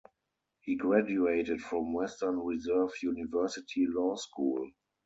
He graduated from Western Reserve University Law School.